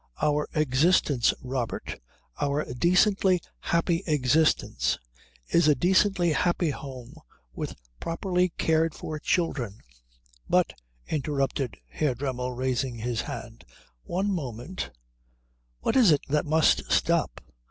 Our existence, Robert, our decently happy existence in a decently happy home with properly cared for children " "But," interrupted Herr Dremmel, raising his hand, "one moment what is it that must stop?"